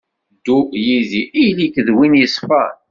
Ddu yid-i, ili-k d win yeṣfan.